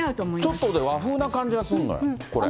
ちょっと和風な感じがするのよ、これ。